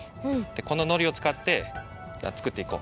こののりをつかってつくっていこう。